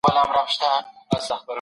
ولي د ښاروالۍ خدمتونه د خلګو حق دی؟